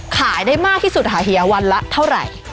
ขายได้มากที่สุดค่ะเฮียวันละเท่าไหร่